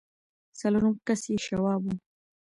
څلورم کس يې شواب و.